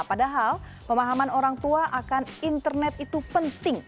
padahal pemahaman orang tua akan internet itu penting